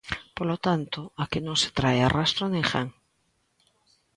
Polo tanto, aquí non se trae a rastro a ninguén.